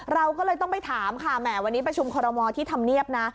เราก็เลยต้องไปถามค่ะแหมวันนี้ประชุมคอรมอลที่ธรรมเนียบนะ